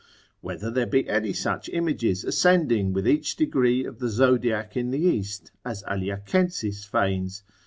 Whether there be any such images ascending with each degree of the zodiac in the east, as Aliacensis feigns?